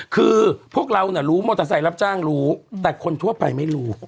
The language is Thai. คือพวกเราน่ะรู้มอเตอร์ไซค์รับจ้างรู้แต่คนทั่วไปไม่รู้